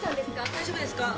大丈夫ですか？